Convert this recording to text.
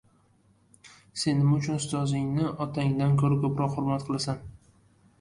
— Sen nima uchun ustozingni otangdan ko‘ra ko‘proq hurmat qilasan?